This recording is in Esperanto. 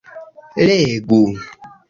Legu...